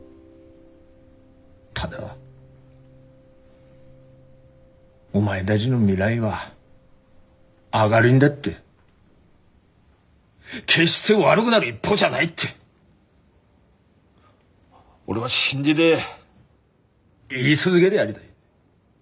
ただお前だぢの未来は明るいんだって決して悪ぐなる一方じゃないって俺は信じで言い続げでやりたい。